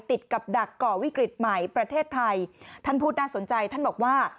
ติดกับดักก่อวิกฤตใหม่ประเทศไทยท่านพูดน่าสนใจท่านบอกว่า